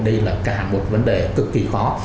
đây là cả một vấn đề cực kỳ khó